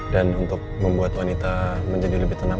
dan untuk membuat wanita menjadi lebih tenang